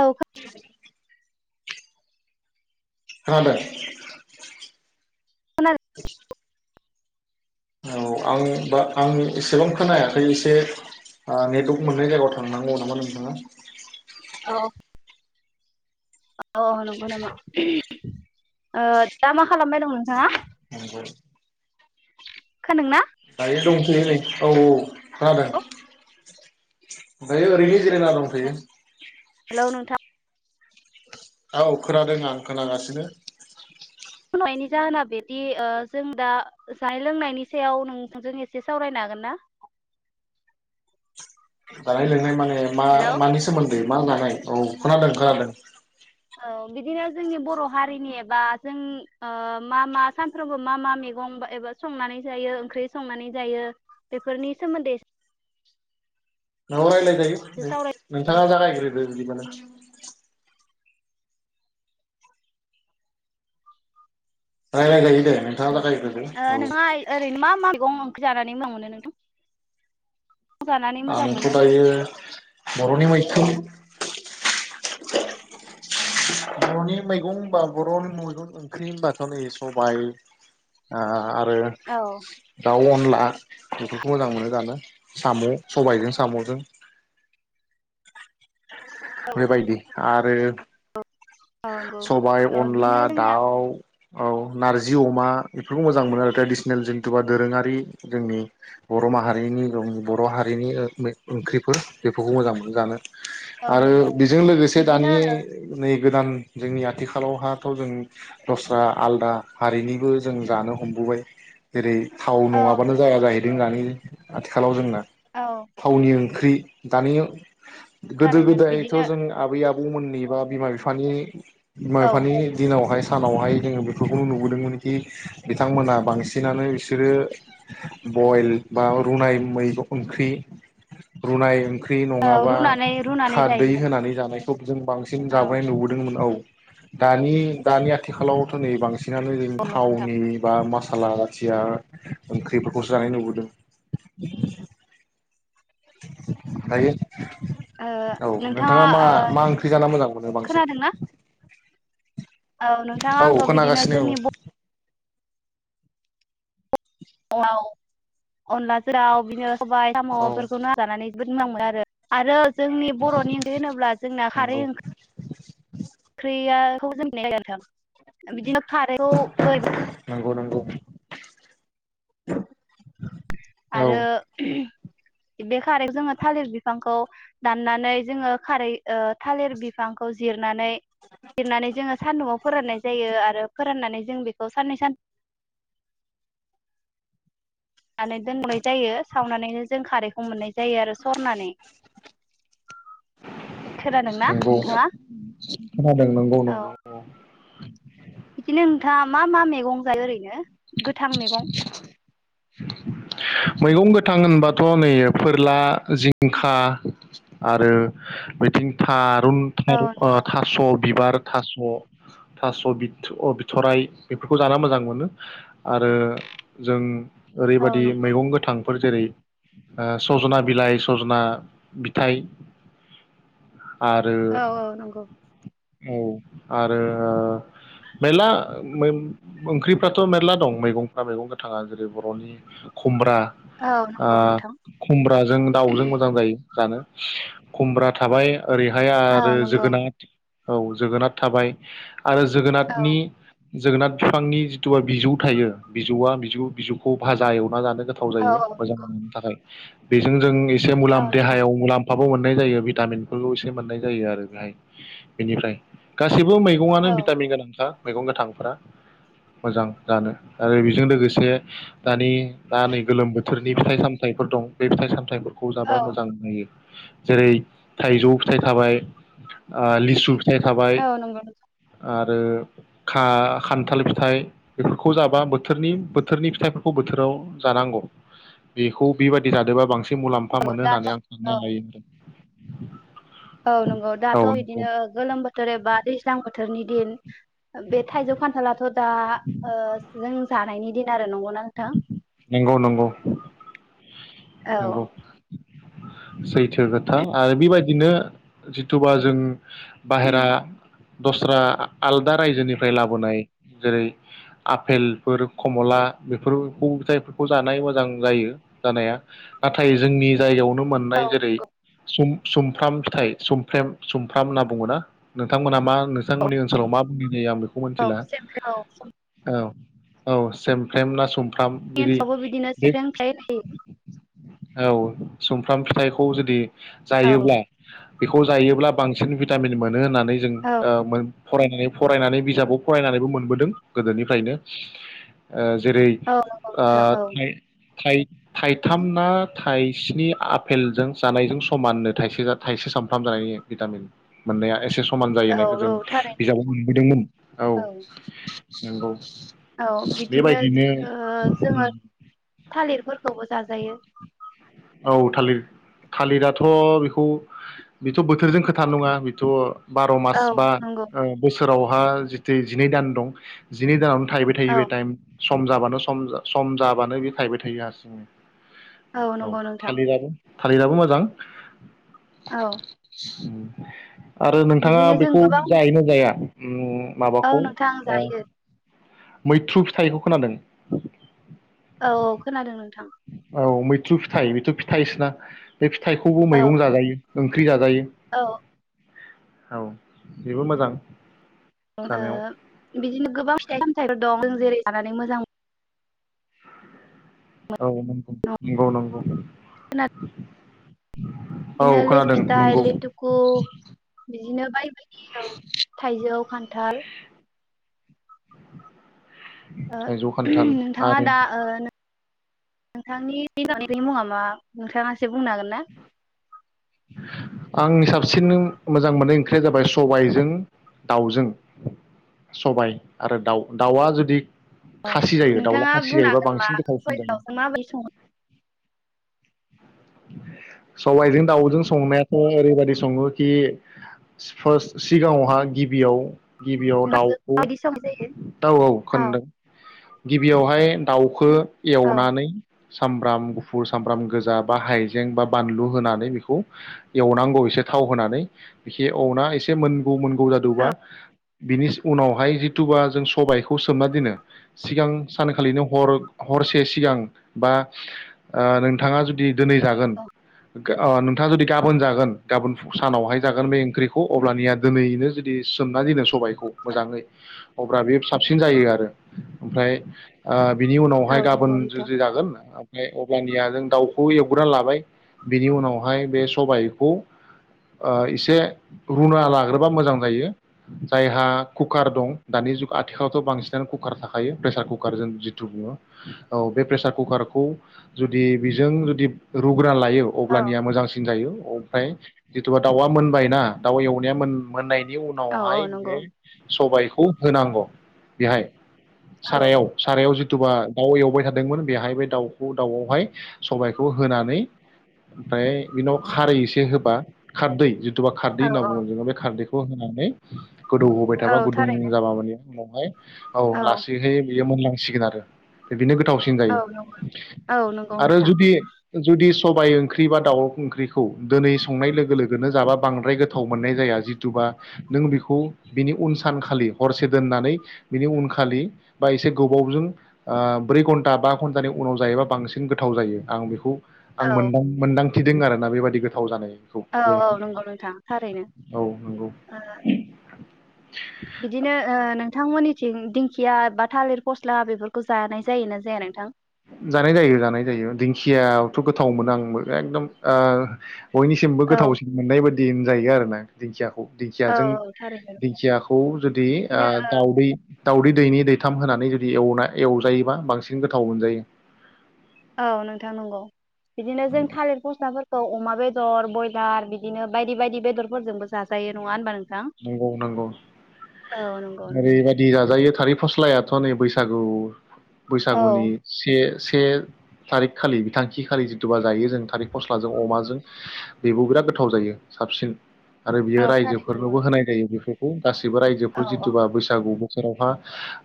औ। खोनादों? खोनादों [inaudible] औ आं बा आं एसेबां खोनायाखै एसे ओ नेटवर्क मोननाय जायगायाव थांनांगौ नामा नोंथाङा? औ। औ नंगौ नामा उम ओ दा मा खालामबाय दं नोंथाङा? [unintelligible] खोनादोंना? दायो दंथ'यो नै औ औ। खोनादों। औ दायो ओरैनो जिरायना दंथ'यो। हेलौ नोंथां औ खोनादों आं खोनागासिनो। फन हरनायनि जाहोना बिदि ओ जों दा जानाय लोंनायनि सायाव नोंथांजों एसे सावरायनो हागोन ना? जानाय लोंनाय माने मा हेलौ मानि सोमोन्दै? मा जानाय औ खोनादों खोनादों। औ बिदिनो जोंनि बर' हारिनि एबा जों ओ मा मा सानफ्रोमबो मा मा मैगं एबा संनानै जायो ओंख्रि संनानै जायो बेफोरनि सोमोन्दै [unintelligible] [unintelligible] एसे सावराय नोंथाङा जागायग्रोदो बिदिब्लालाय। रायलायजायो दे नोंथांआ जागायग्रोदो ओ ओं। नोंथाङा ओरैनो मा मा मैगं ओंख्रि जानानै मोजां मोनो नोंथां? जानानै मोजां आंथ' मोनो दायो बर'नि मैथ्रु [unintelligible] बर'नि मैगं होनबा बर'नि मैगं ओंख्रि होनबाथ' नै सबाय ओ औ [unintelligible] दाउ खला बेफोरखौ मोजां मोनो जानो साम' सबायजों साम'जों औ बेबायदि आह आरो औ नंगौ सबाय ओ अनला बिनो जोंनिया दाउ औ नारजि अमा बेफोरखौ मोजां औ मोनो आरो ट्रेडिसनेल जों [unintelligible] दोरोङारि जोंनि बर' माहारिनि बर' हारिनि ओंख्रिफोर बेफोरखौ मोजां मोनो जानो औ आरो नंगौ बेजों लोगोसे बिदिनो दानि नै गोदान जोंनि आथिखालावहाथ' जों दस्रा आलदा हारिनिबो जों जानो हमबोबाय जेरै थाव औ नङाब्लानो नंगौ जाया जाहैदों दानि आथिखालाव जोंना औ थावनि ओं ख्रि दानि गोदो थारैनो गोदायथ' बिदिनो जों आबै आबौ गुबुननि बा बिमा बिफानि बिमा औ बिफानि दिनावहाय सानावहाय जोङो बेफोरखौनो नुबोदोंमोन कि बिथांमोनहा बांसिनानो बिसोरो बयल बा रुनाय मैंगं ओंख्रि रुनाय ओं ख्रि औ नङाबा रुनानै रुनानै खारदै जायोमोन होनानै जानाय जों बांसिन औ जाबोनाय नुबोदोंमोन औ दानि दानि आथिखालावथ' नै बांसिन बि जों औ नंगौ नोंथां थावनि बा मस फाला बाथिया ओंख्रिफोरखौसो जानाय लुबोदों [inaudible] दायो ओ औ नोंथाङा मा मा ओंख्रि जाना मोजां मोनो बांसिन खोनादोंना औ नोंथाङा आंथ' बिदिनो जोंनि औ अनला जोराव बिनो सबाय साम' औ औ बेफोरखौनो जानानै जोबोद मोजां मोनमोन आरो आरो जोंनि बर'नि उन्दै होनोब्ला जोंना खारै नंगौ ओंख्रिया [unintelligible] बिदिनो खारैखौ बोरै नंगौ नंगौ औ आरो बे खारै जोङो थालिर बिफांखौ दाननानै जोङो खारै ओ थालिर बिफांखौ जिरनानै जिरनानै जोङो सान्दुंआव फोराननाय जायो आरो फोराननानै जों बेखौ साननै सान नानै दोननाय जायो। सावनानैनो जों खारै मोननाय जायो आरो सरनानै खोनादोंना नंगौ नोंथाङा खोनादों नंगौ औ नंगौ इदिनो थाङा मा मा मैगं जायो ओरैनो? गोथां मेगं मैगं गोथां होनबाथ' नै फोरला जिंखा आरो बिथिं था रुन औ थारु ओ नंगौ थास' बिबार थास' थास' बिथ' बिथराय बेफोरखौ जाना मोजां मोनो आरो जों औ ओरैबादि नंगौ मैगं गोथां फोर जेरै ओ सजना बिलाइ सजना बिथाइ आरो औ औ नंगौ। औ आरो मेल्ला मोन ओंख्रिफ्राथ मेरला दं मैगंफ्रा मैगं गोथाङा जेरै बर'नि खुमब्रा औ नंगौ ओ नोंथां खुमब्राजों दाउजों मोजां जायो। जानो खुमब्रा थाबाय ओरैहाय औ आरो नंगौ जोगोनाद औ जोगोनार थाबाय। आरो औ जोगोनादनि जोगोनाद फिफांनि जिथुबा बिजौ थायो बिजौआ बिजौ बिजौखौ भाजा एव मा जादों। थाव औ जायो औ मोजां नंगौ थाखाय बेजों जोंनि से औ मुलाम नोंथां देहायाव मुलाम मोननाय जायो भिटामिनफोरखौ इसे मोननाय जायो आरो बेहाय बिनिफ्राय गा गासैबो औ मैगङानो भिटामिन गोनांखा मैगं गोथांफोरा मोजां जानो आरो बिजों लोगोसे दानि दा नै गोलोम बोथोरनि फिथाइ सामथाइफोर दं। बेे फिथाइ सामथाइफो खौ औ जाबा मोजां नुयो। जेरै थाइजौ फिथाइ थाबाय ओ लिसु फिथाइ थाबाय। औ नंगौ नोंथां आरो खा खान्थाल फिथाइ बेफोरखौ जाबा बोथोरनि बोथोरनि फिथाइफोरखौ बोथोराव जानांगौ बेखौ बेबादि जादोंबा बांसिन बांसिन मुलाम्फा औ मोनो दाथ' होन्नानै आं औ सानना लायो। औ नंगौ दाथ' औ नंगौ बिदिनो गोलोम बोथोर एबा दै दैज्लां बोथोरनि दिन बे थाइजौ खान्थालाथ' दा ओ जों जानायनि दिन आरो नंगौना नोंथां नंगौ नंगौ औ नंगौ सैथो खोथा आरो बिबादिनो जिथुबा जों बाहेरा दस्रा आलदा रायजोनिफ्राय लाबोनाय जेरै आफेलफोर कमला बेफोरखौ फिथाइफोरखौ जानाय मोजां जायो जानाया नाथाय जोंनि जायगायावनो औ मोननाय जेरै सुम सुमफ्राम फिथाइ सुमफ्रेम सुमफ्राम होनना बुङो ना नोंथांमोना मा नोंथांमोननि ओनसोलाव मा बुंनाय जायो आं बेखौ औ मिथिला जोंनि औ औ से सेम ना सुम फ्राम बिदि ओनसोलावबो बिदिनो सेरें फिथाइ औ सुमफ्राम फिथाइखौ जुदि होयो जायोब्ला बेखौ जायोब्ला बांसिन भिटामिन मोन मोनो होननानै जों औ ओ फरायनानै फरायनानै बिजाबाव फरायनानैबो मोनबोदों गोदोनिफ्रायनो ओ जेरै नंगौ ओ नोंथां औ थाइ थाइ थाइथाम बिदि ना थाइस्नि आपेलजों जानायजों समाननो थाइसे सामफ्राम जानायनि भिटामिन मोननाया एसे समान जायो औ होननायखौ जों औ थारैनो बिजाबाव मोनबोदोंमोन औ। नोंगौ औ बिद बिदिनो ओ जोङो औ थालिरफोर खौबो जाजायो। औ थालिर थालिराथ' बेखौ बेथ' बोथोरजों खोथा नङा बेथ' बार' मास औ बा नंगौ ओ बोसोर सोरावहा जिथु जिनै दान दं जिनै दानावनो थायबाय थायो औ बे टायम सम जाबानो सम सम जाबानो बे थायबाय थायो हारसिङै। औ नंगौ। नोंथां थालिरआबो। थालिराबो मोजां। औ। [inaudible] आरो नोंथाङा बिदिनो जों बेखौ गोबां जायोना जाया? [unintelligible] औ माबाखौ नोंथां ओ जायो मैथ्रु फिथाइखौ खोनादों? औ औ खोनादों नों औ मै थ्रु फिथाइ बेथ' फिथाइसोना बे फिथाइखौबो औ मैगं जाजायो। ओंख्रि जा जायो। औ औ बेबो मोजां ओ जानायाव बिदिनो गोबां फिथाइ सामथाइफोर दं। जेरै जानानै मोजां औ नंगौ। खोनादों नंगौ नंगौ। बिदिनो औ लेसु खोनादों फिथाइ नंगौ लेटुकु बिदिनो [unintelligible] औ थाइजौ। खान्थाल ओ थाइजौ खान्थाल नोंथाङा आरो दा ओ नोंथांनि [unintelligible] मुङा मा नोंथाङा बुंनो हागोन ना? आं साबसिन मोजां मोननाय ओंख्रिया जाबाय सबायजों दाउजों सबाय आरो दाउ दाउआ जुदि औ खासि जायो दाउला नोंथाङा खासि बुंनो जायोबा हागोनबा बांसिन गोथावसिन जायो सबायखौ माबोरै सङो? सबायजों दाउजों संनायाथ' ओरैबायदि सङो कि फार्स्ट सिगाङावहा गिबियाव गिबियाव दाउखौ माबायदि संनाय जायो दाउ औ खोनादों। गिबियावहाय दाउखो औ एवनानै सामब्राम गुफुर सामब्राम गोजा। बा हाइजें बा बानलु होनानै बेखौ एवनांगौ एसे थाव होनानै बिखि एवना एसे मोन मोनगौ जादोंबा बिनि उनावहाय जिथुबा जों सबायखौ सोमना दोनो सिगां सानखालिनो हर हरसे सिगां बा नोंथाङा जुदि दिनै जागोन नोंथाङा जुदि गाबोन जागोन गाबोन सानावहाय जागोन बे ओंख्रिखौ अब्लानिया दिनैनो जुदि सोमना दोनो सबाय खौ मोजाङै अब्ला बे साबसिन जायो आरो ओमफ्राय बिनि औ उनावहाय गाबोन नंगौ नोंथां जुदि जागोन ओमफ्राय अब्लानिया जों दाउ खौ एवग्रा लाबाय बिनि उनावहाय बे सबायाइखौ एसे रुना लाग्रोबा मोजां जायो जायहा कुकार दं दानि जु आथिखालावथ' बांसिनानो कुकार थाखायो प्रेसार कुकार जों जिथु बुङो औ बे प्रेसार कुकारखौ जुदि जों जुदि रुना लायो औ अब्लानिया मोजांसिन जायो। ओमफ्राय जिथुबा दाउआ मोनबायना दाउ एवनाया मोननाय बेनि औ उनावहाय औ नंगौ बे सबाय खौ होनांगौ बेहाय। औ सारायाव सारायाव जि [unintelligible] बा दाउ एवबाय थादोंमोन बेहायबो बे दाउखौ दाउआवहाय सबायखौ होनानै ओमफ्राय बिनाव खारै एसे होबा खारदै जुदि [unintelligible] खारदै औ होनना औ बुङो बे खारदैखौ [unintelligible] होनानै गोदौ होबाय थाबा औ गुदुं थारैनो जाबा माने उनावहाय औ लासैहै बेयो मोनलांसिगोन आरो बिनो गोथावसिन औ जायो। नंगौ औ नंगौ नोंथां जुदि जुदि सबाइ ओंख्रि बा दाउ ओंख्रिखौ दिनै संनाय लोगो लोगोनो जाबा बांद्राय गोथाव मोननाय जाया जिथुबा नों बेखौ बिनि उन सानखालि हरसे दोननानै बिनि उनखालि बा एसे गोबावजों ब्रै घन्टा बा घन्टानि उनाव जायोबा बांसिन बांसिन गोथाव जायो आं बेखौ आं औ मोनदां-मोनदां [unintelligible] आरोना बेबायदि गोथाव जानाय। औ औ नंगौ नोंथां थारैनो औ नंगौ ओ बिदिनो ओ नों नोंथांमोननिथिं दिंखिया बा थालिर फस्ला बेफोरखौ जानाय जायोना जाया नोंथां? जानाय जायो जानाय जायो दिंखियाथ' गोथाव मोनो आंबो एकदम ओ बयनिसिमबो औ गोथावसिन मोननाय बादि। दिन जायो आरो ना दिंखिया औ दिंखियाजों थारैनो दिंखियाखौ जुदि बिदिनो दाउदै दाउदै दैनै दैथाम होनानै जुदि एवना एवजायोबा बांसिन गोथाव मोनजायो [inaudible] औ नोंथां नंगौ बिदिनो जों थालिर गस्लाफोर अमा बेदर ब्यलार बिदिनो बायदि बायदि बेदरफोरजोंबो साजायो नङा होनबा नोंथ नंगौ नंगौ नंगौ ओरैबायदि जाजायो थालिर फस्लायाथ' नै बैसागु औ बैसागुनि से से थारिख खालि बिथांखि खालि जिथुबा जायो जों थारिख फस्लाजों अमाजों बेबो बिराद गोथाव जायो साबसिन आरो बियो औ रायजो थारैनो नंगौ बेफोरखौबो होनाय जायो बेफोर गासैबो औ रायजोफोर जिथुबा औ बैसागु सोरेरावहा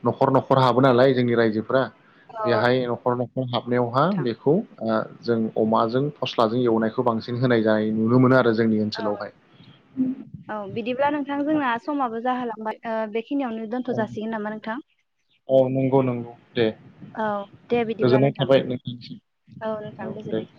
न'खर न'खर हाबो नालाय जोंनि रायजोफोरा औ बेहाय न'खर न'खर हाबनायावहा नोंथां बेखौ अ जों अमाजों फस्लाजों एवनायखौ बांसिन होनाय जानाय नुनो मोनो आरो जों जोंनि औ ओनसोलावहाय औ बिदिब्ला नोंथां जोंना समाबो जाहालाङ बे औ औ नंगौ नंगौ दे औ दे बिदिब्ला गोजोननाय नोंथां थाबाय नोंथां नोंथां औ दे गोजोननाय थाबाय।